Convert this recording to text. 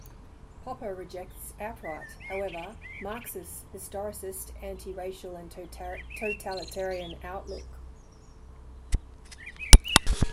Popper rejects outright, however, Marx's historicist, anti-rational, and totalitarian outlook.